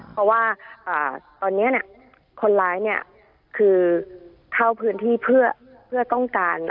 เพราะว่าตอนนี้คนร้ายเนี่ยคือเข้าพื้นที่เพื่อต้องการ